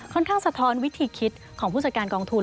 ค่อนข้างสะท้อนวิธีคิดของผู้จัดการกองทุน